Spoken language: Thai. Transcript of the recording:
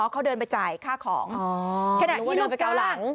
อ๋อเขาเดินไปจ่ายค่าของอ๋อเหมือนว่าเดินไปเก่าหลัง